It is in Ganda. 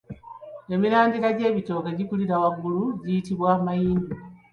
Emirandira gy’ekitooke egikulira waggulu giyitibwa mayindu.